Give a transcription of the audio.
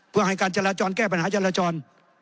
เพื่อให้การจราจรแก้ปัญหาจราจร